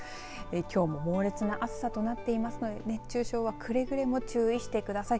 きょうも猛烈な暑さとなっていますので熱中症にはくれぐれも注意してください。